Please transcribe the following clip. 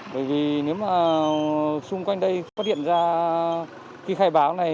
bởi vì nếu mà xung quanh đây phát hiện ra khi khai báo này